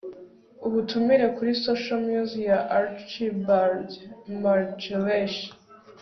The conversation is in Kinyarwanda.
Ubutumire kuri Social Muse ya Archibald MacLeish